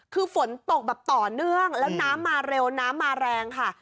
คือฝนตกแบบต่อเนื่องแล้วน้ำมาเร็วน้ำมาแรงค่ะ